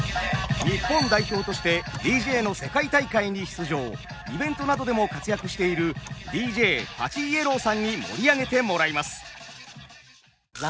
日本代表としてＤＪの世界大会に出場イベントなどでも活躍しているＤＪＰＡＣＨＩ−ＹＥＬＬＯＷさんに盛り上げてもらいます。